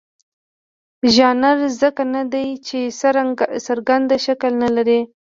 ژانر ځکه نه دی چې څرګند شکل نه لري.